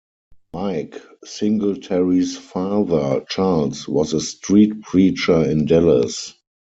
Mike Singletary's father, Charles, was a street preacher in Dallas.